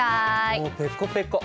もうペコペコ。